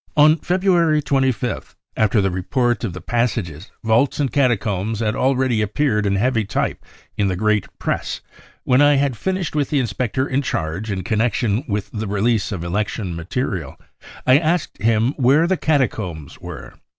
££ On February 25th, after the report of the passages, vaults and catacombs had already appeared in heavy type in the 6 great 5 Press, when I had finished with the inspector in charge in connection with the release of election material, I asked him where the 4 cata combs 5 were.